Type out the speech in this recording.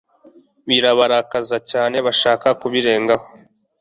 birabarakaza cyane bashaka kubirengaho